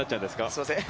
すみません。